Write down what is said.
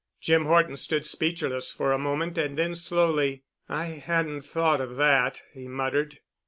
Jim Horton stood speechless for a moment and then, slowly, "I hadn't thought of that," he muttered.